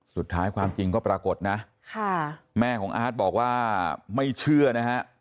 ความจริงก็ปรากฏนะแม่ของอาร์ตบอกว่าไม่เชื่อนะฮะ